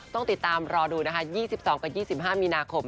ต้องติดตามรอดูนะคะ๒๒กับ๒๕มีนาคม